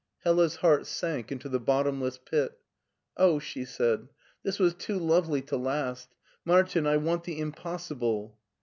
Hella^s heart sank into the bottomless pit. " Oh I " she said, " this was too lovely to last Martin, I want the impossible."